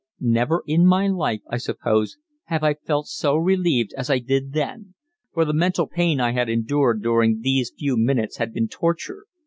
Never in my life, I suppose, have I felt so relieved as I did then, for the mental pain I had endured during these few minutes had been torture.